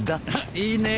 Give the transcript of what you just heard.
いいねえ。